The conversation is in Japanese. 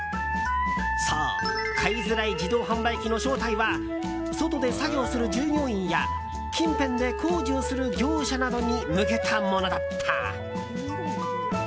そう、買いづらい自動販売機の正体は外で作業する従業員や近辺で工事をする業者などに向けたものだった。